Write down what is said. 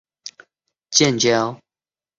两国未曾建交。